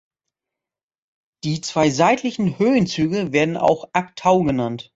Die zwei seitlichen Höhenzüge werden auch Ak-tau genannt.